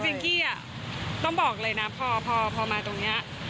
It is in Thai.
กี้ต้องบอกเลยนะพอมาตรงนี้